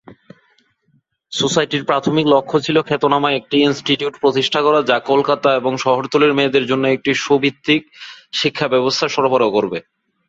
সোসাইটির প্রাথমিক লক্ষ্য ছিল খ্যাতনামা একটি ইনস্টিটিউট প্রতিষ্ঠা করা, যা কলকাতা এবং শহরতলির মেয়েদের জন্য একটি সু-ভিত্তিক শিক্ষাব্যবস্থা সরবরাহ করবে।